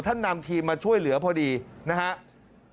นำทีมมาช่วยเหลือพอดีนะครับ